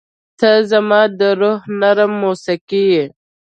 • ته زما د روح نرمه موسیقي یې.